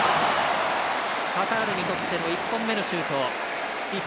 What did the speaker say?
カタールにとっての１本目のシュート。